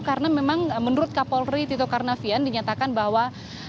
karena memang menurut kapolri tito karnavian dinyatakan bahwa